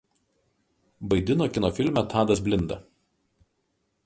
Vaidino kino filme „Tadas Blinda“.